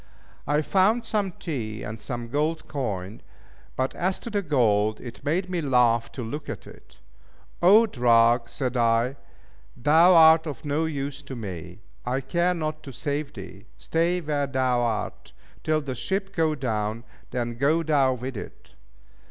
I found some tea and some gold coin; but as to the gold, it made me laugh to look at it. "O drug!" said I, "Thou art of no use to me! I care not to save thee. Stay where thou art, till the ship go down, then go thou with it!"